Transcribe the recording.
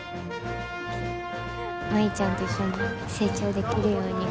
舞ちゃんと一緒に成長できるように。